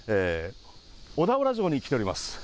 小田原城に来ております。